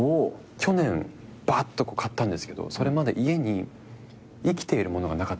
去年バッと買ったんですけどそれまで家に生きているものがなかったんですよ。